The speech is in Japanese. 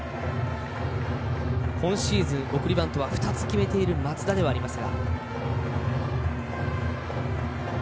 今シーズン、送りバントを２つ決めている松田ではありますが。